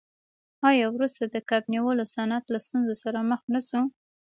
آیا وروسته د کب نیولو صنعت له ستونزو سره مخ نشو؟